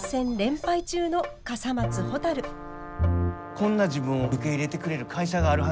こんな自分を受け入れてくれる会社があるはず